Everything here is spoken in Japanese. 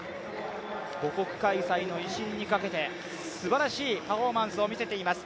母国開催の威信にかけてすばらしいパフォーマンスを見せています。